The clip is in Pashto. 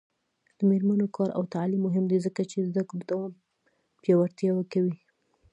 د میرمنو کار او تعلیم مهم دی ځکه چې زدکړو دوام پیاوړتیا کوي.